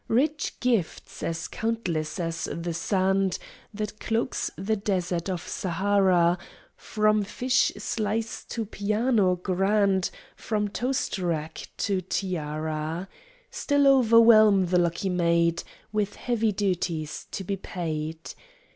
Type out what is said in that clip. Rich gifts, as countless as the sand That cloaks the desert of Sahara, From fish slice to piano (grand), From toast rack to tiara, Still overwhelm the lucky maid (With heavy duties to be paid!).